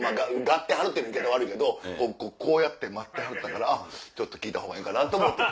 「がってはる」って言い方悪いけどこうやって待ってはったからちょっと聞いたほうがええかなと思って